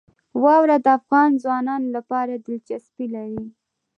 واوره د افغان ځوانانو لپاره دلچسپي لري.